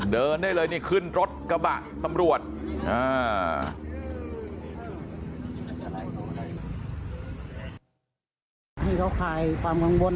เดินได้เลยนี่ขึ้นรถกระบะตำรวจ